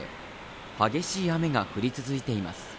激しい雨が降り続いています。